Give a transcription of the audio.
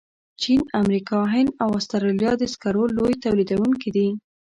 چین، امریکا، هند او استرالیا د سکرو لوی تولیدونکي دي.